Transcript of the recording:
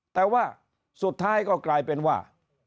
แต่ว่าสุดท้ายก็กลายเป็นว่า